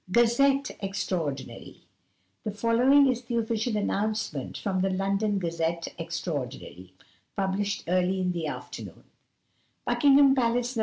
GAZETTE EXTRAORDINARY The following is the official announcement from the London Gazette Extraordinary, published early in the afternoon: "Buckingham Palace, Nov.